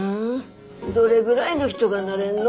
どれぐらいの人がなれんの？